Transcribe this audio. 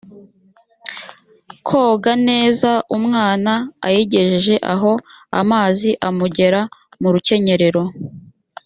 koga neza umwana ayigejeje aho amazi amugera mu rukenyerero